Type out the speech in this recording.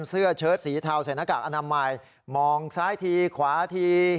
เสื้อเชิ้ตสีเทาใส่หน้ากากอนามมาลสายทีขวาที